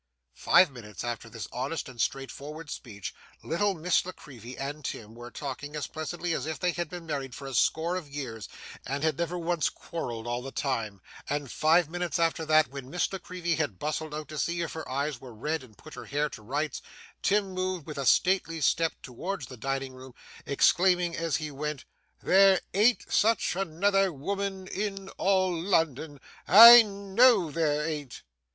Five minutes after this honest and straightforward speech, little Miss La Creevy and Tim were talking as pleasantly as if they had been married for a score of years, and had never once quarrelled all the time; and five minutes after that, when Miss La Creevy had bustled out to see if her eyes were red and put her hair to rights, Tim moved with a stately step towards the drawing room, exclaiming as he went, 'There an't such another woman in all London! I KNOW there an't!